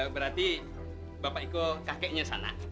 berarti bapak itu kakeknya sana